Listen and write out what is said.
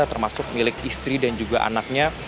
termasuk milik istri dan juga anaknya